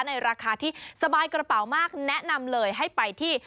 ในราคาที่สบายกระเป๋ามากแนะนำเลยให้ไปที่